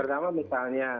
dan pak prabowo sebetulnya